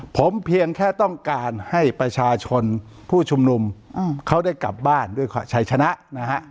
ผมเพียงแค่ต้องการให้ประชาชนผู้ชุมนุมเขาได้กลับบ้านด้วยชัยชนะนะฮะ